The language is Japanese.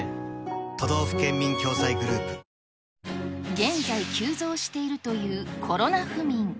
現在、急増しているというコロナ不眠。